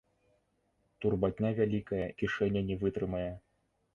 Турбатня вялікая, і кішэня не вытрымае.